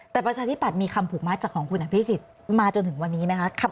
แต่ประชาธิบัตย์มีคำผูกมัดจากของคุณอภิษฎมาจนถึงวันนี้ไหมคะ